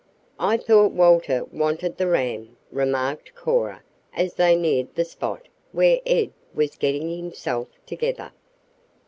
"I thought Walter wanted the ram," remarked Cora as they neared the spot where Ed was "getting himself together."